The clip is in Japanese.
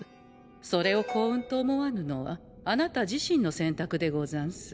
それを幸運と思わぬのはあなた自身の選択でござんす。